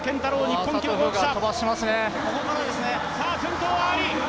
日本記録保持者。